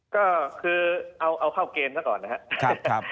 ก็คือเอาเข้าเกณฑ์ซะก่อนนะครับ